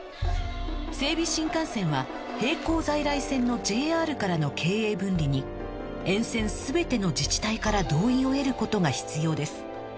整備新幹線は並行在来線の ＪＲ からの経営分離に沿線全ての自治体から同意を得ることが必要です